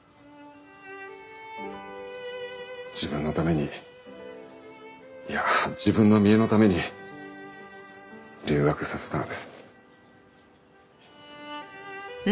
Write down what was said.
自分のためにいや自分の見えのために留学させたのです。